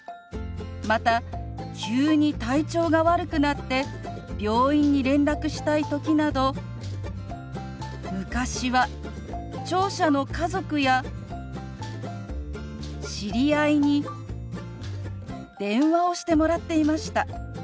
また急に体調が悪くなって病院に連絡したい時など昔は聴者の家族や知り合いに電話をしてもらっていました。